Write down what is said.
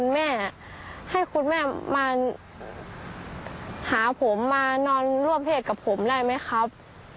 มันหาผมมานอนร่วมเพศกับผมได้มั้ยครับ